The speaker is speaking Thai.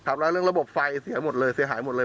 แล้วเรื่องระบบไฟเสียหมดเลยเสียหายหมดเลย